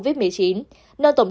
khi cử tri đi bỏ phòng